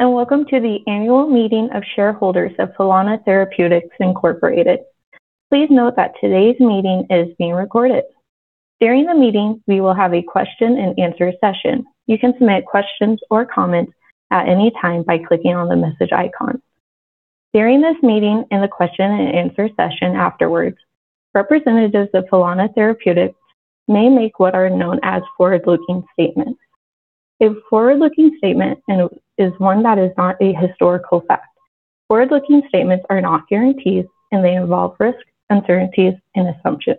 Hello, welcome to the annual meeting of shareholders of Filana Therapeutics, Inc. Please note that today's meeting is being recorded. During the meeting, we will have a question and answer session. You can submit questions or comments at any time by clicking on the message icon. During this meeting and the question and answer session afterwards, representatives of Filana Therapeutics may make what are known as forward-looking statements. A forward-looking statement is one that is not a historical fact. Forward-looking statements are not guarantees, they involve risks, uncertainties, and assumptions.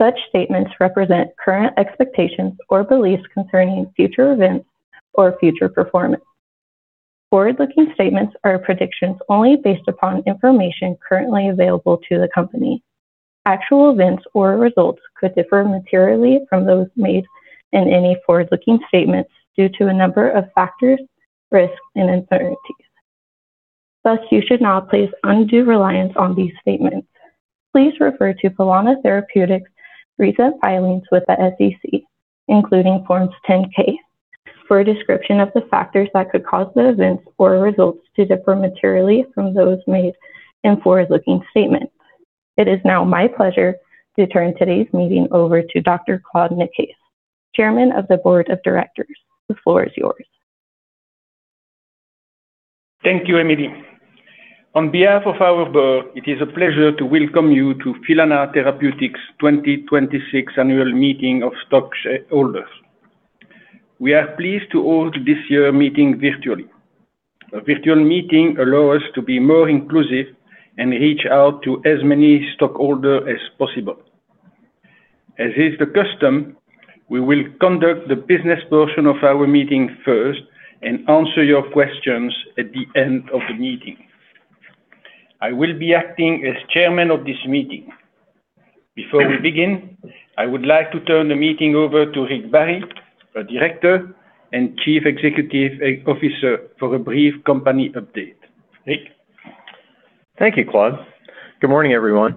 Such statements represent current expectations or beliefs concerning future events or future performance. Forward-looking statements are predictions only based upon information currently available to the company. Actual events or results could differ materially from those made in any forward-looking statements due to a number of factors, risks, and uncertainties. You should not place undue reliance on these statements. Please refer to Filana Therapeutics' recent filings with the SEC, including Forms 10-K, for a description of the factors that could cause the events or results to differ materially from those made in forward-looking statements. It is now my pleasure to turn today's meeting over to Dr. Claude Nicaise, Chairman of the Board of Directors. The floor is yours. Thank you, Emily. On behalf of our board, it is a pleasure to welcome you to Filana Therapeutics 2026 Annual Meeting of Stockholders. We are pleased to hold this year's meeting virtually. A virtual meeting allows us to be more inclusive and reach out to as many stockholders as possible. As is the custom, we will conduct the business portion of our meeting first and answer your questions at the end of the meeting. I will be acting as chairman of this meeting. Before we begin, I would like to turn the meeting over to Rick Barry, our director and chief executive officer, for a brief company update. Rick? Thank you, Claude. Good morning, everyone.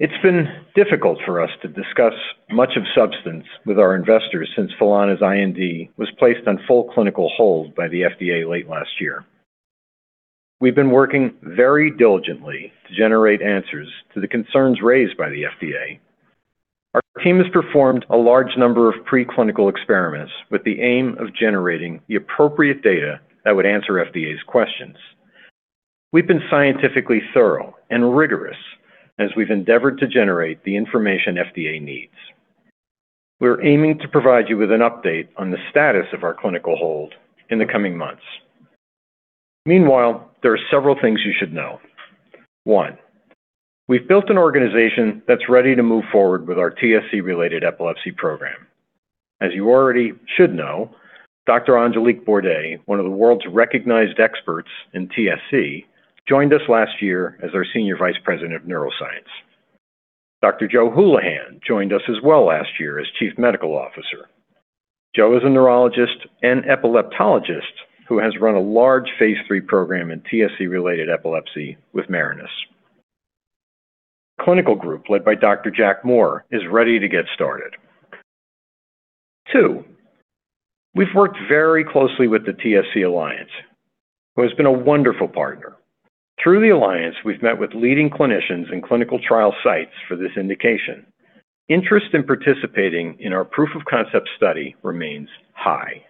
It's been difficult for us to discuss much of substance with our investors since Filana's IND was placed on full clinical hold by the FDA late last year. We've been working very diligently to generate answers to the concerns raised by the FDA. Our team has performed a large number of preclinical experiments with the aim of generating the appropriate data that would answer FDA's questions. We've been scientifically thorough and rigorous as we've endeavored to generate the information FDA needs. We're aiming to provide you with an update on the status of our clinical hold in the coming months. There are several things you should know. One, we've built an organization that's ready to move forward with our TSC-related epilepsy program. As you already should know, Dr. Angélique Bordey, one of the world's recognized experts in TSC, joined us last year as our Senior Vice President of Neuroscience. Dr. Joseph Hulihan joined us as well last year as Chief Medical Officer. Joe is a neurologist and epileptologist who has run a large phase III program in TSC-related epilepsy with Marinus Pharmaceuticals. Clinical group led by Dr. Jack Moore is ready to get started. Two, we've worked very closely with the TSC Alliance, who has been a wonderful partner. Through the alliance, we've met with leading clinicians and clinical trial sites for this indication. Interest in participating in our proof of concept study remains high.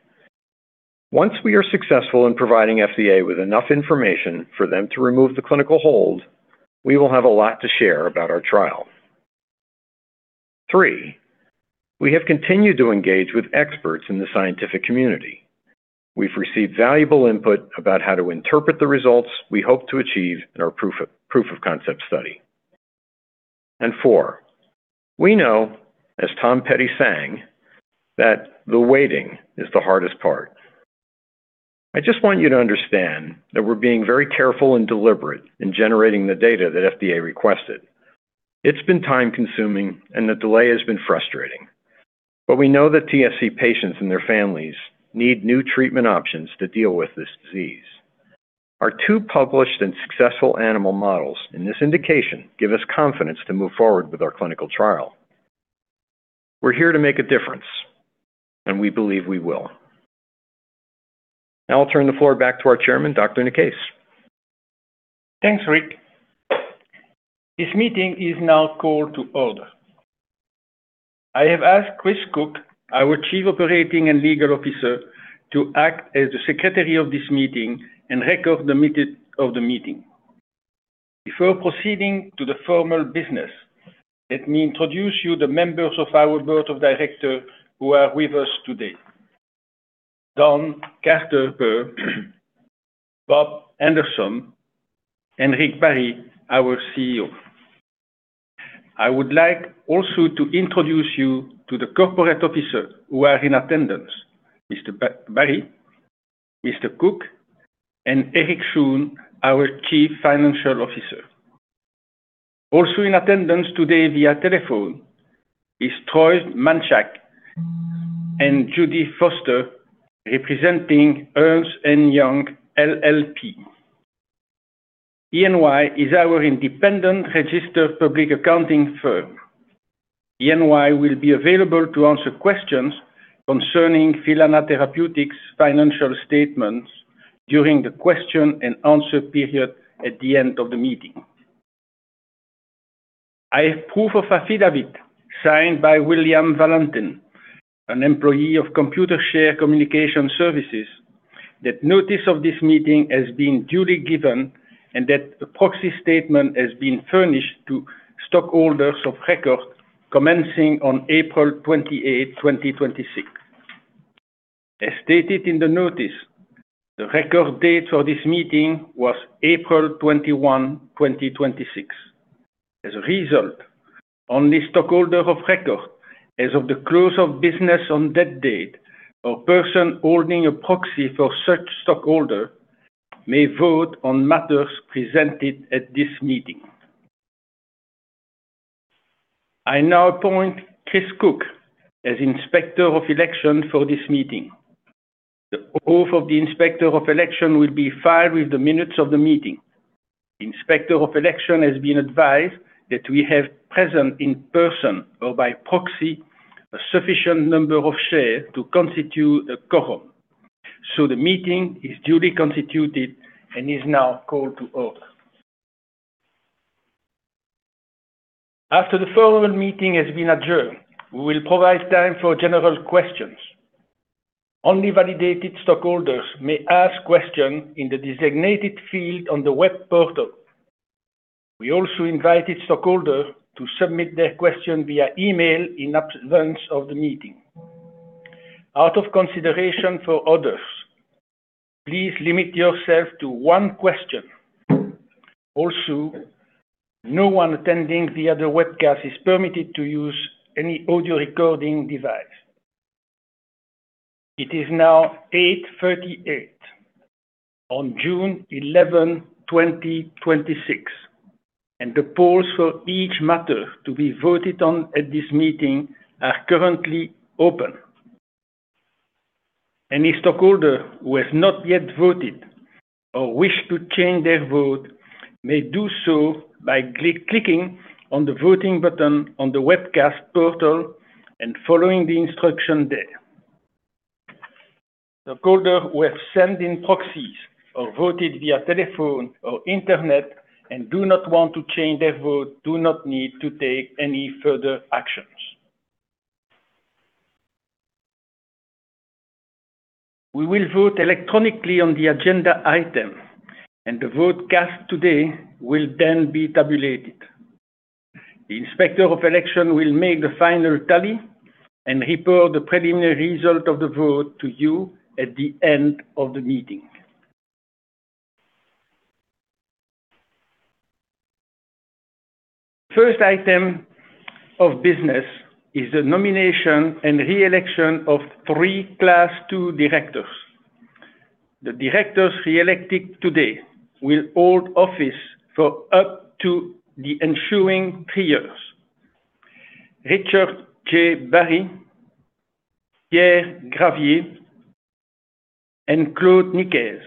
Once we are successful in providing FDA with enough information for them to remove the clinical hold, we will have a lot to share about our trial. Three, we have continued to engage with experts in the scientific community. We've received valuable input about how to interpret the results we hope to achieve in our proof of concept study. Four, we know, as Tom Petty sang, that the waiting is the hardest part. I just want you to understand that we're being very careful and deliberate in generating the data that FDA requested. It's been time-consuming, and the delay has been frustrating. We know that TSC patients and their families need new treatment options to deal with this disease. Our two published and successful animal models in this indication give us confidence to move forward with our clinical trial. We're here to make a difference, and we believe we will. Now I'll turn the floor back to our Chairman, Dr. Nicaise. Thanks, Rick. This meeting is now called to order. I have asked Chris Cook, our Chief Operating and Legal Officer, to act as the secretary of this meeting and record the minutes of the meeting. Before proceeding to the formal business, let me introduce you the members of our board of directors who are with us today. Dawn Carter Bir, Bob Anderson, and Rick Barry, our CEO. I would like also to introduce you to the corporate officers who are in attendance. Mr. Barry, Mr. Cook, and Eric J. Schoen, our Chief Financial Officer. Also in attendance today via telephone is Troy Manchac and Judy Foster, representing Ernst & Young LLP. EY is our independent registered public accounting firm. EY will be available to answer questions concerning Filana Therapeutics' financial statements during the question and answer period at the end of the meeting. I have proof of affidavit signed by William Valentin, an employee of Computershare Communication Services, that notice of this meeting has been duly given and that a proxy statement has been furnished to stockholders of record commencing on April 28th, 2026. As stated in the notice, the record date for this meeting was April 21, 2026. As a result, only stockholders of record as of the close of business on that date or person holding a proxy for such stockholder may vote on matters presented at this meeting. I now appoint Chris Cook as Inspector of Election for this meeting. The oath of the Inspector of Election will be filed with the minutes of the meeting. Inspector of Election has been advised that we have present in person or by proxy a sufficient number of shares to constitute a quorum. The meeting is duly constituted and is now called to order. After the formal meeting has been adjourned, we will provide time for general questions. Only validated stockholders may ask questions in the designated field on the web portal. We also invited stockholders to submit their question via email in advance of the meeting. Out of consideration for others, please limit yourself to one question. Also, no one attending via the webcast is permitted to use any audio recording device. It is now 8:38 A.M. on June 11, 2026, and the polls for each matter to be voted on at this meeting are currently open. Any stockholder who has not yet voted or wish to change their vote may do so by clicking on the voting button on the webcast portal and following the instruction there. Stockholders who have sent in proxies or voted via telephone or Internet and do not want to change their vote do not need to take any further actions. We will vote electronically on the agenda item, and the vote cast today will then be tabulated. The Inspector of Election will make the final tally and report the preliminary result of the vote to you at the end of the meeting. First item of business is the nomination and reelection of three Class II directors. The directors reelected today will hold office for up to the ensuing three years. Richard J. Barry, Pierre Gravier, and Claude Nicaise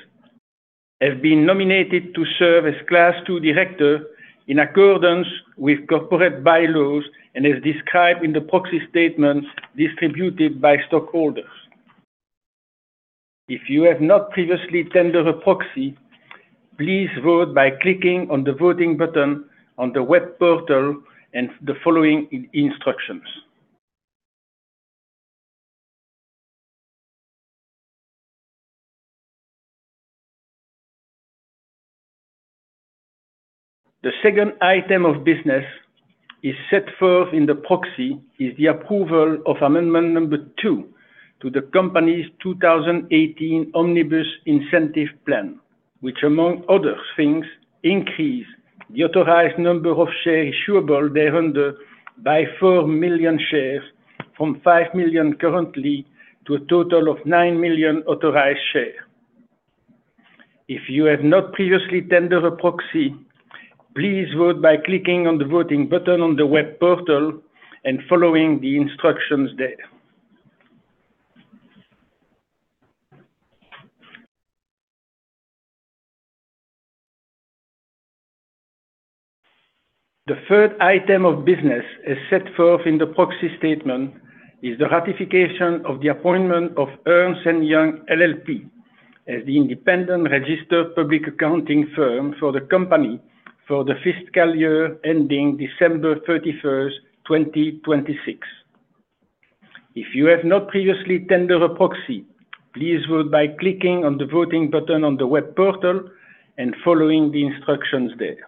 have been nominated to serve as Class II directors in accordance with corporate bylaws and as described in the proxy statement distributed by stockholders. If you have not previously tendered a proxy, please vote by clicking on the voting button on the web portal and the following instructions. The second item of business is set forth in the proxy is the approval of amendment number 2 to the company's 2018 Omnibus Incentive Plan, which among other things, increase the authorized number of shares issuable thereunder by 4 million shares from 5 million currently to a total of 9 million authorized shares. If you have not previously tendered a proxy, please vote by clicking on the voting button on the web portal and following the instructions there. The third item of business, as set forth in the proxy statement, is the ratification of the appointment of Ernst & Young LLP as the independent registered public accounting firm for the company for the fiscal year ending December 31, 2026. If you have not previously tendered a proxy, please vote by clicking on the voting button on the web portal and following the instructions there.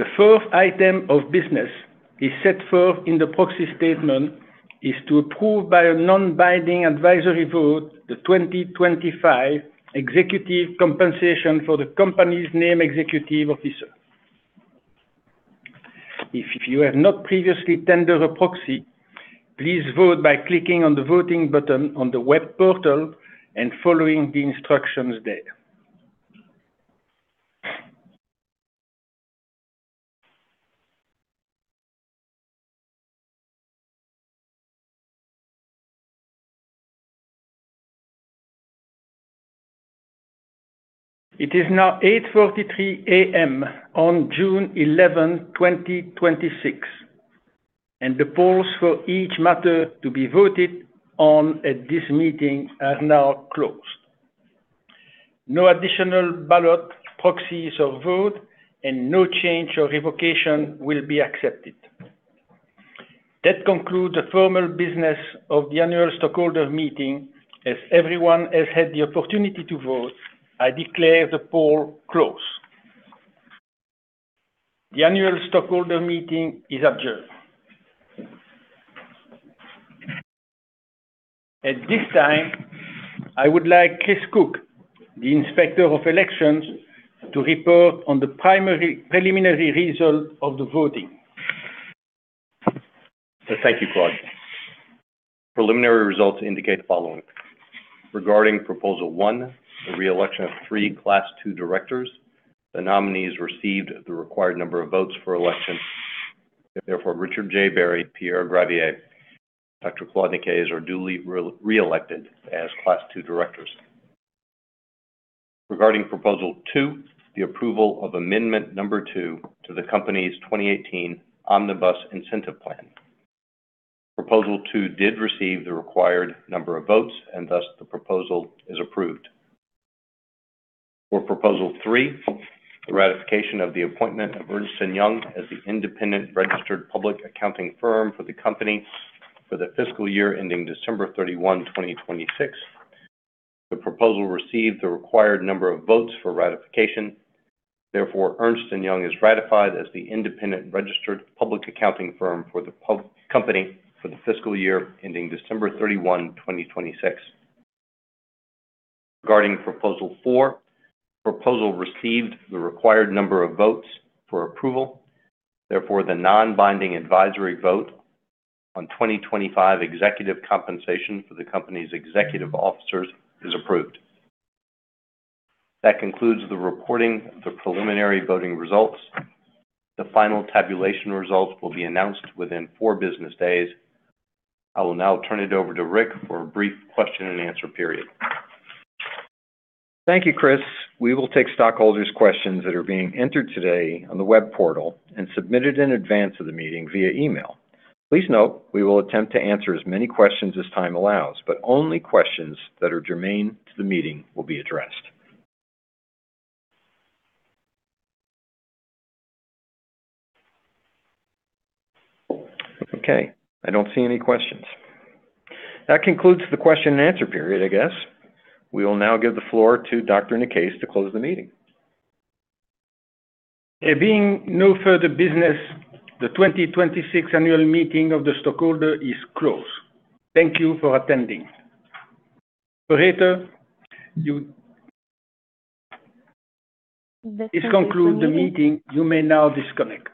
The fourth item of business is set forth in the proxy statement is to approve by a non-binding advisory vote the 2025 executive compensation for the company's named executive officer. If you have not previously tendered a proxy, please vote by clicking on the voting button on the web portal and following the instructions there. It is now 8:43 A.M. on June 11, 2026, and the polls for each matter to be voted on at this meeting are now closed. No additional ballot proxies or vote and no change or revocation will be accepted. That concludes the formal business of the annual stockholder meeting. As everyone has had the opportunity to vote, I declare the poll closed. The annual stockholder meeting is adjourned. At this time, I would like Chris Cook, the Inspector of Elections, to report on the preliminary result of the voting. Thank you, Claude. Preliminary results indicate the following. Regarding Proposal One, the reelection of three Class II directors, the nominees received the required number of votes for election. Therefore, Richard J. Barry, Pierre Gravier, Dr. Claude Nicaise are duly reelected as Class II directors. Regarding Proposal Two, the approval of amendment number two to the company's 2018 Omnibus Incentive Plan. Proposal Two did receive the required number of votes, and thus the proposal is approved. For Proposal Three, the ratification of the appointment of Ernst & Young as the independent registered public accounting firm for the company for the fiscal year ending December 31, 2026. The proposal received the required number of votes for ratification. Therefore, Ernst & Young is ratified as the independent registered public accounting firm for the company for the fiscal year ending December 31, 2026. Regarding Proposal Four, proposal received the required number of votes for approval. Therefore, the non-binding advisory vote on 2025 executive compensation for the company's executive officers is approved. That concludes the reporting of the preliminary voting results. The final tabulation results will be announced within four business days. I will now turn it over to Rick for a brief question and answer period. Thank you, Chris. We will take stockholders' questions that are being entered today on the web portal and submitted in advance of the meeting via email. Please note we will attempt to answer as many questions as time allows, but only questions that are germane to the meeting will be addressed. Okay, I don't see any questions. That concludes the question and answer period, I guess. We will now give the floor to Dr. Nicaise to close the meeting. There being no further business, the 2026 annual meeting of the stockholder is closed. Thank you for attending. Operator, This concludes the meeting. You may now disconnect.